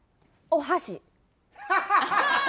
お箸！？